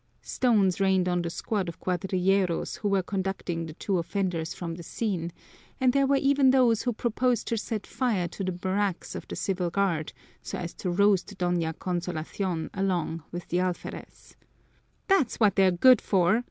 Stones rained on the squad of cuadrilleros who were conducting the two offenders from the scene, and there were even those who proposed to set fire to the barracks of the Civil Guard so as to roast Doña Consolacion along with the alferez. "That's what they're good for!"